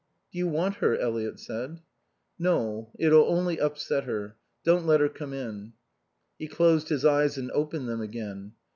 "Do you want her?" Eliot said. "No. It'll only upset her. Don't let her come in." He closed his eyes and opened them again.